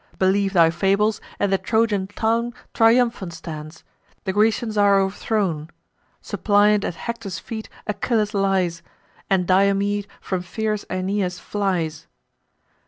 Believe thy fables, and the Trojan town Triumphant stands; the Grecians are o'erthrown; Suppliant at Hector's feet Achilles lies, And Diomede from fierce Aeneas flies.